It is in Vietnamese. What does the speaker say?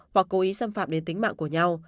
hoặc cố ý xâm phạm đến tính mạng của nhau